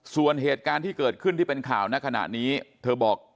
ส่วนเหตุการณ์ที่เกิดขึ้นที่เป็นข่าวในขณะนี้เธอบอก